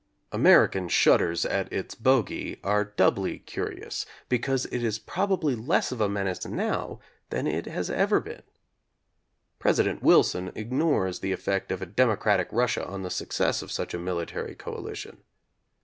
American shudders at its bogey are doubly curious because it is probably less of a men ace now than it has ever been. President Wilson ignores the effect of a democratic Russia on the success of such a military coalition.